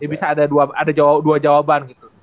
bisa ada dua jawaban gitu